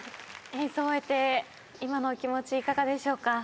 演奏終えて今のお気持ちいかがでしょうか？